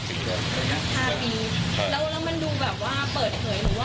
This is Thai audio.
๕ปีแล้วมันดูแบบว่าเปิดเหยหรือว่าแอบหรือว่ายังไง